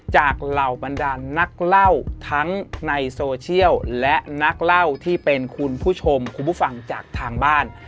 เหล่าบรรดานนักเล่าทั้งในโซเชียลและนักเล่าที่เป็นคุณผู้ชมคุณผู้ฟังจากทางบ้าน